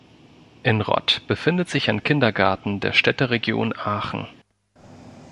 In Rott befindet sich ein Kindergarten der Städteregion Aachen.